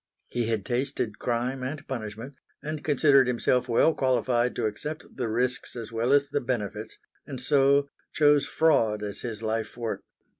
He had tasted crime and punishment, and considered himself well qualified to accept the risks as well as the benefits; and so chose fraud as his life work.